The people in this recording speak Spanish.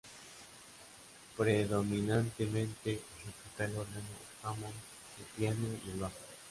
Predominantemente ejecuta el órgano Hammond, el piano y el bajo.